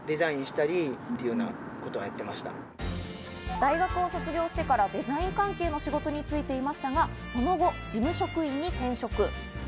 大学を卒業してからデザイン関係の仕事に就いていましたが、その後、事務職員に転職。